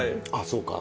そうか。